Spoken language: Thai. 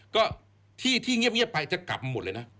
ก็ที่ที่เงียบไปจะกลับมาหมดเลยนะ